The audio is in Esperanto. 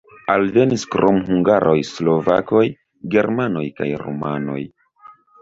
Alvenis krom hungaroj slovakoj, germanoj kaj rumanoj.